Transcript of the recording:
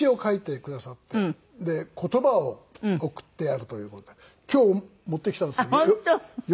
言葉を贈ってやるという事で今日持ってきたんですけど。